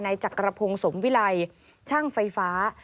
จักรพงศ์สมวิไลช่างไฟฟ้า